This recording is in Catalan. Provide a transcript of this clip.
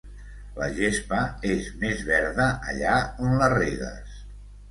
La gespa és més verda allà on la regues.